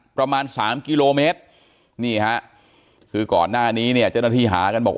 ประมาณสามกิโลเมตรนี่ฮะคือก่อนหน้านี้เนี่ยเจ้าหน้าที่หากันบอก